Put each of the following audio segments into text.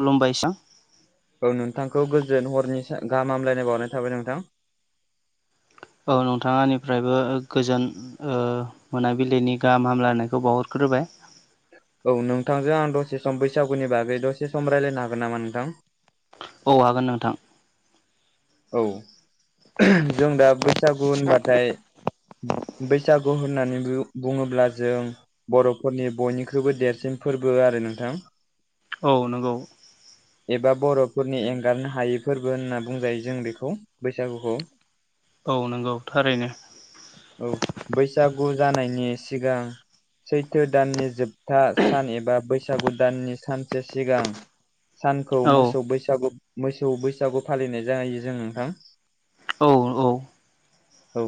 खुलुमबायस औ नोंथांखौ गोजोन हरनि सा गाहामलायनाय बावनाय थाबाय नोंथां औ नोंथां आनिफ्रायबो गोजोन ओ मोनाबिलिनि गाहाम हामलायनायखौ बावहरग्रोबाय औ नोंथांजों आं दसे सम बैसागुनि बागै दसे सम रायज्लायनो हागोन नामा नोंथां? औ हागोन नोंथां औ जों दा बैसागु होनबाथाय बैसागु होननानै बु-बुङोब्ला जों बर'फोरनि बयनिख्रुइबो देरसिन फोरबो आरो नोंथां औ नंगौ एबा बर'फोरनि एंगारनो हायै फोरबो होनना बुंजायो जों बेखौ बैसागुखौ औ नंगौ थारैनो औ बैसागु जानायनि सिगां सैथो दाननि जोब था सान एबा बैसागु दाननि सानसे सिगां सानखौ औ मोसौ बैसागु मोसौ बैसागु फालिनाय जायो जों नोंथां औ औ औ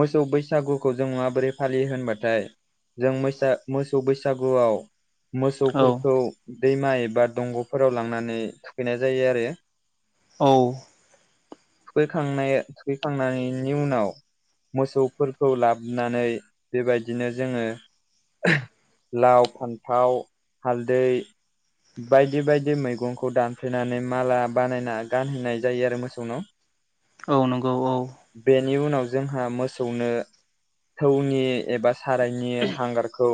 मोसौ बैसागुखौ जों माबोरै फालियो होनबाथाय जों मैसा मोसौ बैसागुआव औ मोसौफोरखौ दैमा एबा दंग'फोराव लांनानै थुखैनाय जायो आरो औ थुखैखांनाय थुखैखांनायनि उनाव मोसौफोरखौ लाबोनानै बेबायदिनो जोङो लाव फान्थाव हालदै बायदि बायदि मैगंखौ दानफ्लेनानै माला बानायना गानहैनाय जायो आरो [unintelligible] औ नंगौ औ बेनि उनाव जोंहा मोसौनो थौनि एबा सारायनि हांगारखौ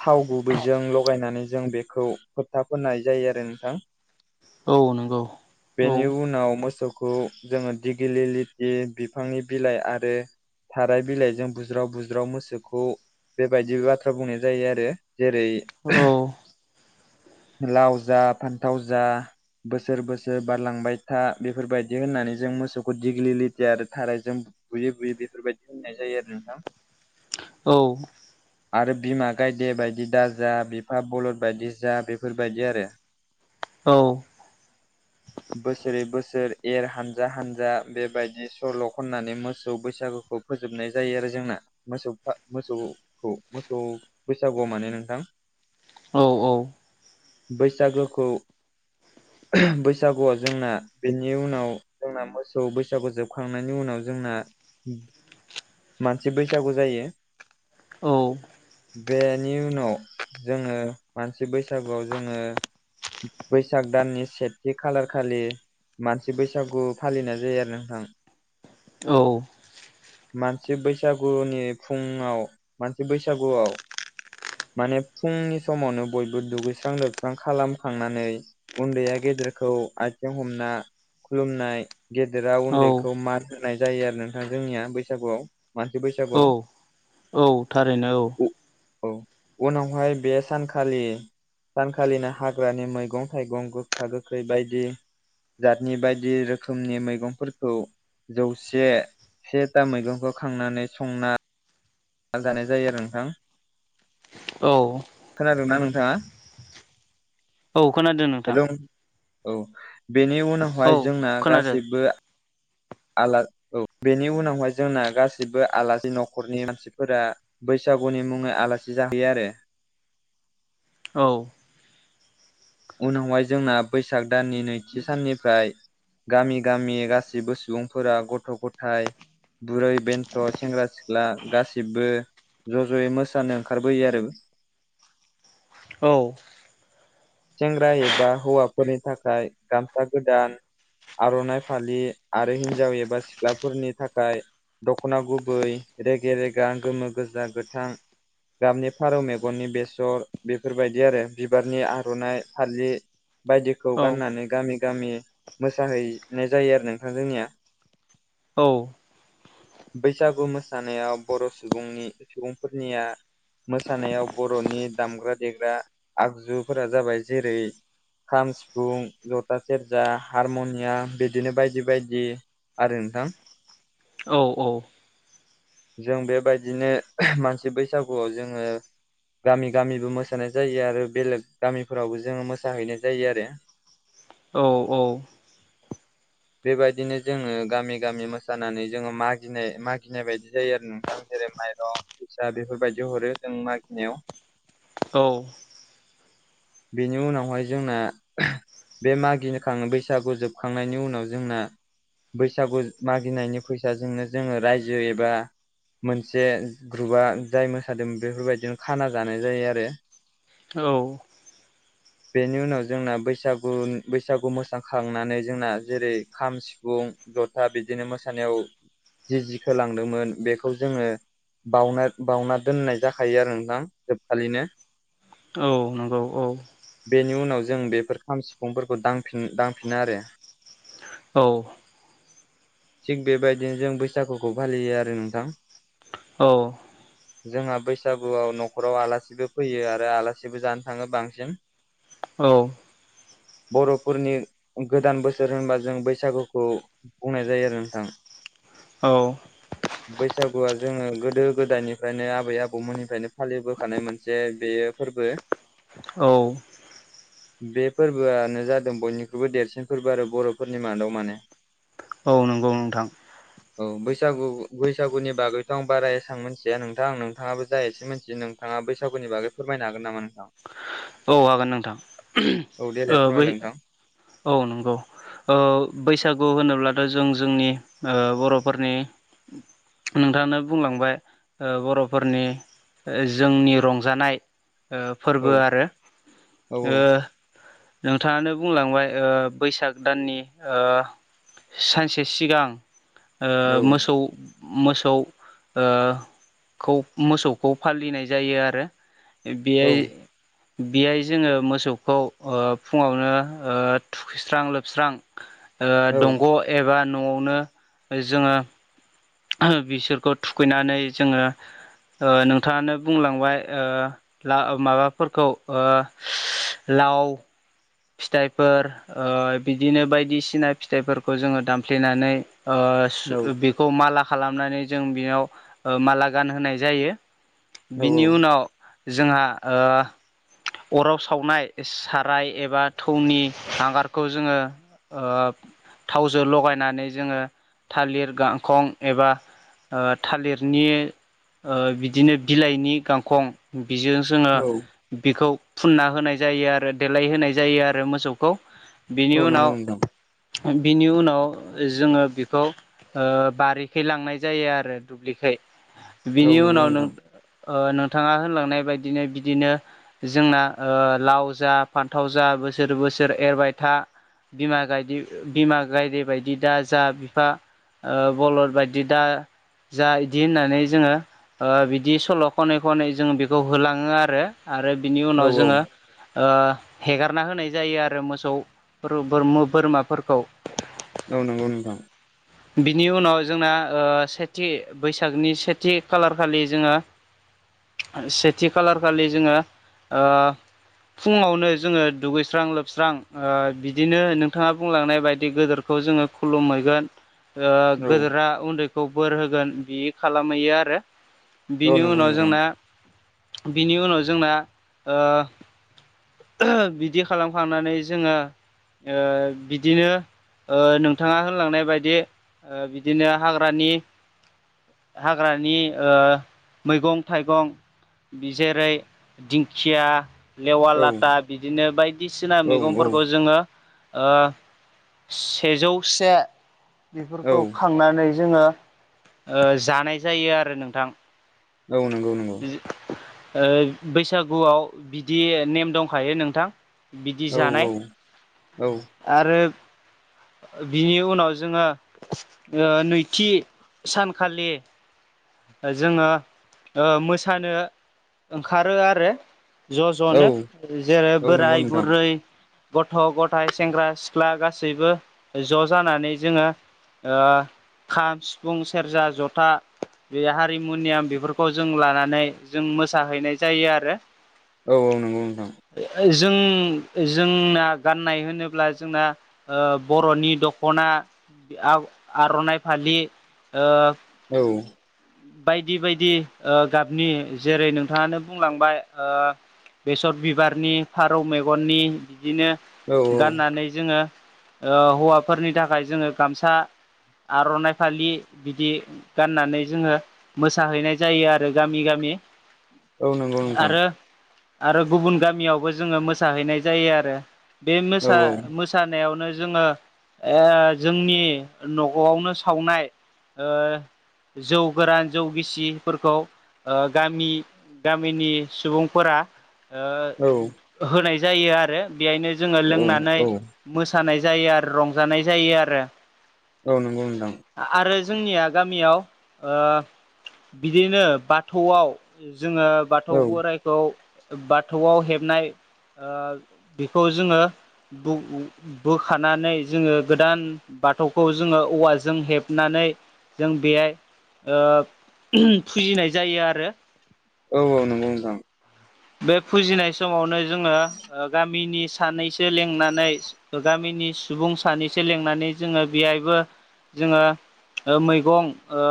थाव गुबैजों लगायनानै जों बेखौ होबथा फोनाय जायो आरो नोंथां औ नंगौ औ बेनि उनाव मोसौखौ जोङो दिगिलि लथि बिफांनि बिलाइ आरो थाराय बिलाइजों बुज्राव बुज्राव मोसौखौ बेबायदि बाथ्रा बुंनाय जायो आरो जेरै औ लाव जा फान्थाव जा बोसोर बोसोर बारलांबाय था बेफोरबायदि होननानै जों मोसौखौ दिेग्लिथि आरो थारै जों बुयै बुयै बेफोरबायदि होननाय जायो आरो नोंथां औ आरो बिमा गायदे बायदि दा जा बिफा बलद बायदि जा बेफोरबायदि आरो औ बोसोरै बोसोर एर हानजा हानजा बेबायदि सल' खननानै मोसौ बैसागुखौ फोजोबनाय जायो आरो जोंना मोसौ मोसौखौ मोसौ बैसागुआव माने नोंथां औ बैसागोखौ बैसागुआव जोंना बेनि उनाव जोंना मोसौ बैसागु जोबखांनायनि उनाव जोंना मानसि बैसागु जायो बेनि उनाव जोङो मानसि बैसागुआव जोङो बैसाग दाननि सेथि खालारखालि मानसि बैसागु फालिनाय जायो आरो नोंथां औ मानसि बैसागुनि फुङाव मानसि बैसागुआव [inaudible] माने फुंनि समावनो बयबो दुगैस्रां लोबस्रां खालामखांनानै उन्दैया गेदेरखौ आथिजों हमना खुलुमनाय गेदेरा औ उन्दैखौ मान होनाय जायो आरो नोंथां जोंनिया बैसागुआव मानसि औ बैसागुआव औ थारैनो औ औ उनावहाय बे सानखालि सानखालिनो हाग्रानि मैगं थाइगं गोखा गोखै बायदि जातनि बायदि रोखोमनि मैगंफोरखौ जौसे सेथा मैगंखौ खांनानै संना आाल जानाय जायो आरो नोंथां औ औ खोनादोंनाा नोंथाङा औ खोनादों नोंथां हेल' औ बेनि औ उनावहाय जोंना खोनादों गासैबो आ औ बेनि उनावहाय जोंना गासिबो आलासि न'खरनि मानसिफोरा बैसागुनि मुङै आलासि जाहैयो आरो औ उनावहाय जोंना बैसाग दाननि नैथि साननिफ्राय गामि गामि गासैबो सुबुंफोरा गथ' गथाय बुरै बेन्थ' सेंग्रा सिख्ला गासिबो ज' ज'यै मोसानो ओंखारबोयो आरो औ सेंग्रा एबा हौवाफोरनि थाखाय गामसा गोदान आर'नाइ फालि आरो हिन्जाव एबा सिख्लाफोरनि थाखाय दख'ना गुबै रेगे रेगा गोमो गोजा गोथां गाबनि फारौ मेगननि बेसर बेफोरबायदि आरो बिबारनि आर'नाइ फालि बायदिखौ औ गाननानै गामि गामि मोसाहैनाय जायो आरो नोंथां जोंनिया औ बैसागु मोसानायाव बर' सुबुंनि सुबुंफोरनिया मोसानायाव बर'नि दामग्रा देग्रा आगजुफोरा जाबाय जेरै खाम सिफुं जथा सेरजा हारमुनियाम बिदिनो बायदि बायदि आरो नोंथां औ औ जों बेबायदिनो मानसि बैसागुआव जोङो गामि गामिबो मोसानाय जायो आरो बेलेग गामि फोरावबो जोङो मोसाहैनाय जायो आरो औ औ गौ बेबायदिनो जोङो गामि गामि मोसानानै जोङो मागिनाय मागिनाय बायदि जायो आरो नोंथां जेरै माइरं फैसा बेफोरबायदि हरो जों मागिनायाव औ बेनि उनावहाय जोंना बे मागिनोखाङो बैसागु जोबखांनायनि उनाव जोंना बैसागु मागिनायनि फैसाजोंनो जोङो रायजो एबा मोनसे ग्रुपआ जाय मोसादोंमोन बेफोरबायदिनो खाना जानाय जायो आरो औ बेनि उनाव जोंना बैसागु बैसागु मोसा खांनानै जोंना जेरै खाम सि सिफुं जथा बिदिनो मोसानायाव जि जि खोलांदोंमोन बेखौ जोङो बावनाय बावना दोननाय जाखायो आरो नोंथां जोबखालिनो औ नंगौ औ बेनि उनाव जों बेफोर खाम सिफुंफोरखौ दांफिन दांफिनो आरो औ थिग बेबायदिनो जों बैसागुखौ फालियो आरो नोंथां औ जोंहा बैसागुआव न'खराव आलासिबो फैयो आरो आलासिबो जानो थाङो बांसिन ओ बर'फोरनि गोदान बोसोर होनबा जों बैसागुखौ बुंनाय जायो आरो नोंथां औ बैसागुआ जोङो गोदो गोदायनिफ्रायनो आबै आबौमोननिफ्रायनो फालिबोखानाय मोनसे बेयो फोरबो औ बे फोरबोआनो जादों बयनिख्रुइबो देरसिन फोरबो आरो बर'फोरनि मादाव माने औ नंगौ नोंथां औ बैसागु बैसागुनि बागैथ' आं बारा एसां मिथिया नोंथां आं नोंथाङाबो जा एसे मिथि नों थाङा बैसागुनिबागै फोरमायनो हागोन नामा नोंथां? औ हागोन नोंथां देलाय औ बै फोरमायलाय नोंथां औ नंगौ ओ बैसागु होनोब्लाथ' जों जोंनि बर'फोरनि नोंथाङानो बुंलांबाय बर'फोरनि जोंनि रंजानाय औ फोरबो आरो औ ओ नोंथाङानो बुंलांबाय बैसाग दाननि ओ सानसे सिगां मोसौ मोसौ ओ खौ मोसौखौ फालिनाय जायो आरो। औ बेयाय बेहाय जोङो मोसौखौ फुङावनो थुखैस्रां लोबस्रां औ दंग' एबा न'आवनो जोङो बिसोरखौ थुखैनानै जोङो नोंथाङानो बुंलांबाय ओ माबाफोरखौ ओ लाव फिथाइफोर ओ बिदिनो बायदिसिना फिथाइफोरखौ जोङो दामफ्लेनानै औ ओ बेखौ माला खालामनानै जों बेनयाव माला गानहोनाय जायो औ बिनि उनाव जोंहा ओ अराव सावनाय साराय एबा थौनि हांगारखौ जोङो थावजों लगायनानै जोङो थालिर गांखं एबा थालिरनि बिदिनो बिलाइनि गांखं बिजों जोङो औ बिखौ फुनना होनाय जायो आरो देलाय होनाय जायो आरो मोसौखौ बिनि औ नंगौ उनाव नोंथां बिनि उनाव जोङो बेखौ बारिखै लांनाय जायो आरो दुब्लिखाय बिनि औ नंगौ उनाव नों नोंथां ओ नोंथाङा होनलांनाय बायदिनो बिदिनो जोंना लाव जा फा थाव जा बोसोर बोसोर एरबाय था बिमा गाय बिमा गायदे बायदि दा जा बिफा बलद बायदि दा जा बिदि होननानै जोङो बिदि सल' खनै खनै जोङो बेखौ होलाङो आरो। आरो बिनि औ उनाव औ जोङो ओ हेगारना होनाय जायो आरो मोसौ बोरम बोरमाफोरखौ औ नंगौ नोंथां बिनि उनाव जोंना सेथि बैसागनि सेथि खालार खालि जोङो सेथि खालार खालि जोङो ओ फुङावनो जोङो दुगैस्रां लोबस्रां बिदिनो नोंथाङा बुंलांनाय बायदि गोदोर खौ जोङो खुलुमहैगोन ओ औ गोदोरा उन्दैखौ बोर होगोन बि खालामहैयो आरो औ बिनि नंगौ उनाव नोंथां जोंना बिनि उनाव जोंना ओ बिदि खालामखांनानै जोङो बिदिनो नोंथाङा होनलांनाय बायदि बिदिनो हाग्रानि हाग्रानि ओ मैगं थाइगं बि जेरै दिंखिया लेवा औ लाथा बिदिनो बायदिसिना औ मैगंफोरखौ जोङो ओ सेजौ से औ बेफोरखौ खांनानै जोङो जानाय ओ जायो आरो नोंथां औ नंगौ नंगौ ओ बैसागुआव बिदि नेम दंखायो नोंथां बिदि औ जानाय औ आरो बिनि उनाव जोङो ओ नैथि सानखालि जोङो ओ मोसानो ओंखारो आरो ज' ज'नो औ जेरै औ नंगौ बोराय नोंथां बुरै गथ' गथाय सेंग्रा सिख्ला गासैबो ज' जानानै जोङो ओ खाम सिफुं सेरजा जथा बे हारिमुनियाम बेफोर खौ जों लानानै जों मोसाहैनाय जायो आरो औ औ नंगौ नोंथां। जों जोंना गाननाय होनोब्ला जोंना ओ बर'नि दख'ना आ-आर'नाइ फालि ओ औ बायदि बायदि ओ गाबनि जेरै नोंथाङानो बुंलांबाय ओ बेसर बिबारनि फारौ मेगननि बिदिनो गाननानै जोङो ओ हौवाफोरनि थाखाय जोङो गामसा आर'नाइ फालि बिदि गाननानै जोङो मोसाहैनाय जायो आरो गामि गामि औ नंगौ नोंथां आरो आरो गुबुन गामियावबो जोङो मोसाहैनाय जायो आरो बे औ मोसा- मोस सानायावनो जोङो ओ जोंनि न'गआवनो सावनाय ओ जौ गोरान जौ गिसिफोरखौ गामि गामिनि सुबुंफोरा ओ होनाय जायो आरो बेहायनो जोङो लोंनानै मोसानाय जायो आरो रंजानाय जायो आरो। औ नंगौ नोंथां। आ-आरो जोंनिया गामियाव ओ बिदिनो बाथौआव जोङो बाथौ औ बोराइ खौ बाथौआव हेबनाय ओ हिखौ जोङो [unintelligible] बोखानानै जोङो गोदान बाथौखौ जोङो औवाजों हेबनानै जों बेहाय ओ फुजिनाय जायो आरो औ औ नंगौ नोंथां। बे फुजिनाय समावनो जोङो ओ गामिनि सानैसो लिंनानै गामिनि सुबुं सानैसो लिनानै जोङो बेहायबो जोङो मैगं ओ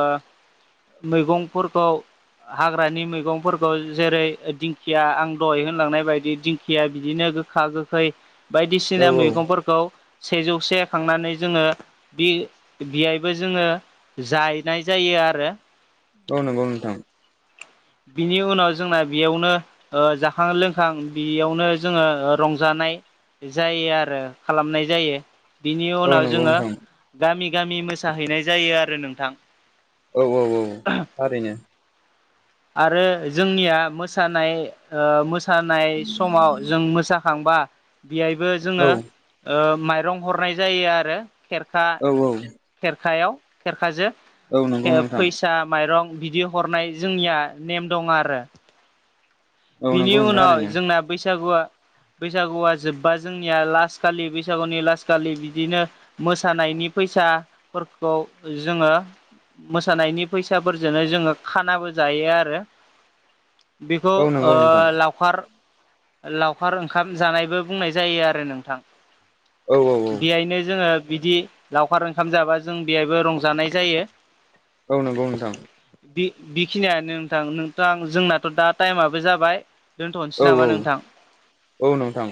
मैगंफोरखौ हाग्रानि मैगंफोरखौ जेरै दिंखिया आं दहाय होनलांनाय बायदि दिंखिया बिदिनो गोख खा गोखै बायदिसिना मैगंफोरखौ सेजौसे खांनानै जोङो दि बिहायबो जोङो जायनाय जायो आरो औ नोंगौ नोंथां। बिनि उनाव जोंना बेयावनो जाखां लोंखां बेयावनो जोङो रंजानाय जायो आरो खालामनाय जायो। बिनि औ नंगौ उनाव जोङो नोंथां गामि -गामि मोसाहैनाय जायो आरो नोंथां। औ औ औ थारैनो‌। आरो जोंनिया मोसानाय ओ मोसानाय समाव जों मोसा खांबा बेहायबो जोङो औ ओ माइरं हरनाय जायो आरो खेरखा औ औ खेरखायाव खेरखाजो औ नंगौ नोंथां फै फिसा माइरं बिदि हरनाय जोंनिया नेम दङ आरो। औ बिनि नंगौ नोंथां उनाव ओरैनो जोंना बैसागुआ बैसागुआ जोब्बा जोंनिया लास खालि बैसागुनि लास खालि बिदिनो मोसानायनि फैसाफोरखौ जोङो मोसानायनि फैसाफोरजोंनो जोङो खानाबो जायो आरो बेफोर औ ओ नंगौ नोंथां लावखार लावखार ओंखाम जानायबो बुंनाय जायो आरो नोंथां। औ औ औ बेहायनो जोङो बिदि लावखार ओंखाम जाबा जों बेहायबो रंजानाय जायो। औ नंगौ नोंथां। बेखिनियानो नोंथां नोंथां जोंनाथ' दा टाइमाबो जाबाय। औ दोनथ'नोसै नामा नोंथां? औ नोंथां।